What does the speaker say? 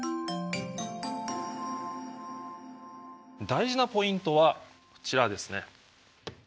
大事なポイントはこちらですね。